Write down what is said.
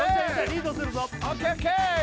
リードするぞ